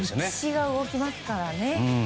歴史が動きますからね。